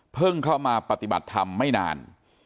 เข้ามาปฏิบัติธรรมไม่นาน